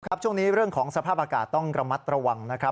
ช่วงนี้เรื่องของสภาพอากาศต้องระมัดระวังนะครับ